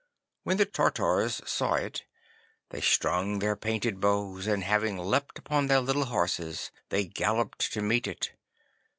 When the Tartars saw it, they strung their painted bows, and having leapt upon their little horses they galloped to meet it.